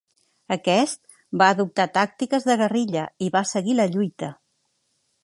Aquest va adoptar tàctiques de guerrilla i va seguir la lluita.